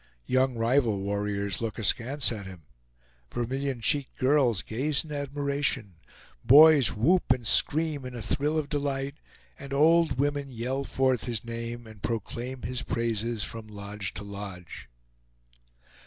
Young rival warriors look askance at him; vermilion cheeked girls gaze in admiration, boys whoop and scream in a thrill of delight, and old women yell forth his name and proclaim his praises from lodge to lodge.